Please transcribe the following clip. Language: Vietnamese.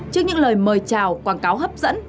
trước những lời mời chào quảng cáo hấp dẫn